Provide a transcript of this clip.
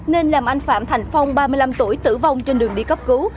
nên làm anh phạm thành phong ba mươi năm tuổi tử vong trên đường đi cấp cứu